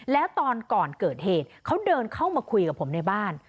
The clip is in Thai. แล้วตอนก่อนเกิดเหตุเขาเดินเข้ามาคุยกับผมในบ้าน